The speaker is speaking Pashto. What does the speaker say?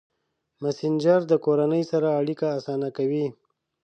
مسېنجر د کورنۍ سره اړیکه اسانه کوي.